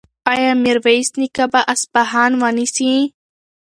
ایا میرویس نیکه به اصفهان ونیسي؟